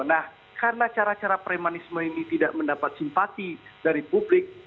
nah karena cara cara premanisme ini tidak mendapat simpati dari publik